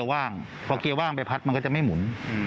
ต้องเกียร์ว่างขนาดซึ่งจะไม่มุน